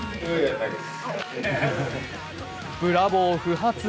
ブラボー、不発。